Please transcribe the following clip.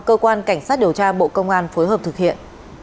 các điều tra bộ công an phối hợp thực hiện